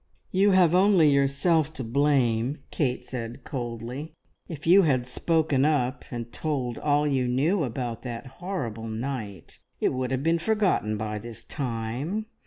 "You have only yourself to blame," Kate said coldly. "If you had spoken up and told all you knew about that horrible night, it would have been forgotten by this time.